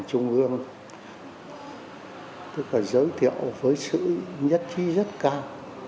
trung ương tức là giới thiệu với sự nhất trí rất cao